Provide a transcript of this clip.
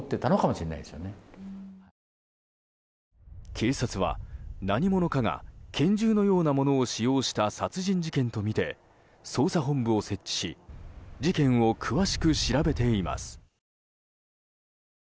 警察は何者かが拳銃のようなものを使用した殺人事件とみて捜査本部を設置し事件を詳しく調べています。